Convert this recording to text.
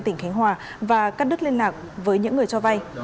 tỉnh khánh hòa và cắt đứt liên lạc với những người cho vay